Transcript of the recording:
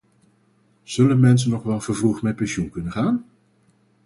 Zullen mensen nog wel vervroegd met pensioen kunnen gaan?